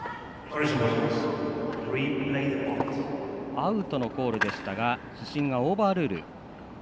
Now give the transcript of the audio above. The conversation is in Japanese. アウトのコールでしたが主審がオーバールール。